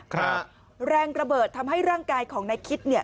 ครับแรงระเบิดทำให้ร่างกายของนายคิดเนี่ย